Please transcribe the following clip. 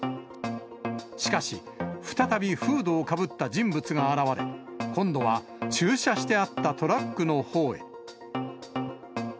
しかし、再びフードをかぶった人物が現れ、今度は駐車してあったトラックのほうへ。